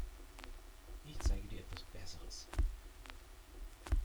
Ich zeige dir etwas Besseres.